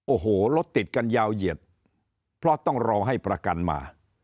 โอ้โหรถติดกันยาวเหยียดเพราะต้องรอให้ประกันมา